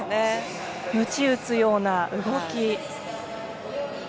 むち打つような動き。